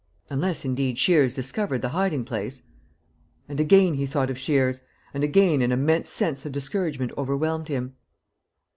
Unless, indeed, Shears discovered the hiding place. ... And again he thought of Shears; and again an immense sense of discouragement overwhelmed him.